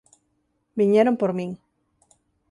Viñeron por min.